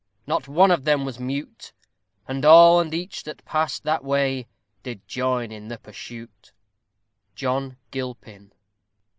Not one of them was mute; And all and each that passed that way Did join in the pursuit. _John Gilpin.